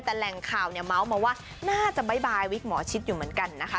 แต่แหล่งข่าวเนี่ยเมาส์มาว่าน่าจะบ๊ายบายวิกหมอชิดอยู่เหมือนกันนะคะ